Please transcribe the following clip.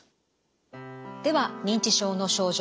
では認知症の症状